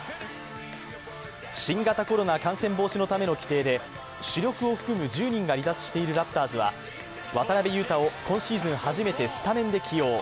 新型コロナ感染防止のための規定で主力を含む１０人が離脱しているラプターズは渡邊雄太を今シーズン初めてスタメンで起用。